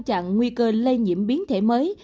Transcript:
chẳng nguy cơ lây nhiễm biến thể mới